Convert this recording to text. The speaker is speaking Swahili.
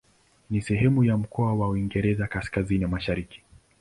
Ni sehemu ya mkoa wa Uingereza Kaskazini-Mashariki.